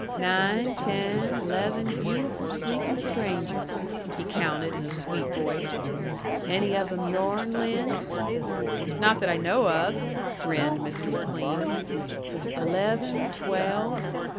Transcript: "Nine, ten, eleven, beautiful sleepin' strangers," he counted, in a sweet voice. "Any of 'em your'n, Lin?" "Not that I know of," grinned Mr. McLean. "Eleven, twelve.